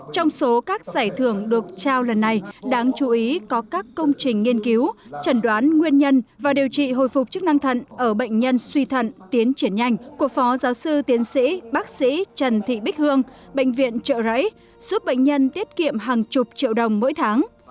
trong số các giải thưởng được trao lần này đáng chú ý có các công trình nghiên cứu trần đoán nguyên nhân và điều trị hồi phục chức năng thận ở bệnh nhân suy thận tiến triển nhanh của phó giáo sư tiến sĩ bác sĩ trần thị bích hương bệnh viện trợ rẫy giúp bệnh nhân tiết kiệm hàng chục triệu đồng mỗi tháng